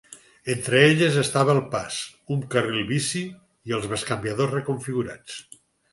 Entre elles estava el pas, un carril bici i els bescanviadors reconfigurats.